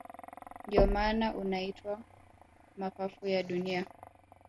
Ndio maana unaitwa mapafu ya dunia